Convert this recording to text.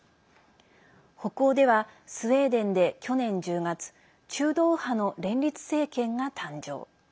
北欧ではスウェーデンで去年１０月中道右派の連立政権が誕生。